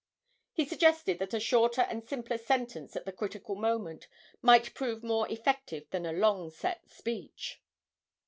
He suggested that a shorter and simpler sentence at the critical moment might prove more effective than a long set speech.